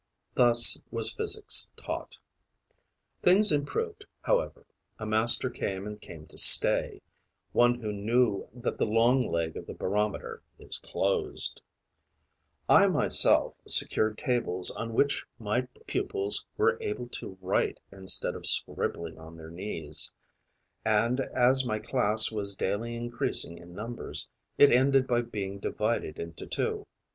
Thus was physics taught. Things improved, however: a master came and came to stay, one who knew that the long leg of the barometer is closed. I myself secured tables on which my pupils were able to write instead of scribbling on their knees; and, as my class was daily increasing in numbers, it ended by being divided into two.